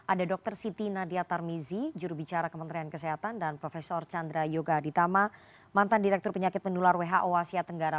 ada dr siti nadia tarmizi jurubicara kementerian kesehatan dan prof chandra yoga aditama mantan direktur penyakit pendular who asia tenggara